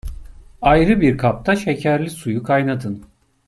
Ayrı bir kapta şekerli suyu kaynatın.